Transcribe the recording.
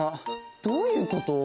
どういうこと？